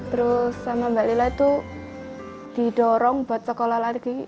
terus sama mbak lila itu didorong buat sekolah lagi